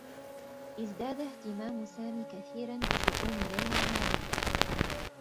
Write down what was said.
ازداد اهتمام سامي كثيرا بشؤون ليلى الماليّة.